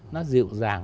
nó dịu dàng